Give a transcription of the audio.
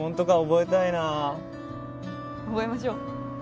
覚えましょう。